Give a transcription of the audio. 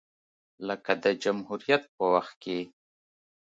لکه د جمهوریت په وخت کې